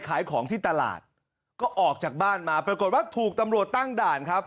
ขายของที่ตลาดก็ออกจากบ้านมาปรากฏว่าถูกตำรวจตั้งด่านครับ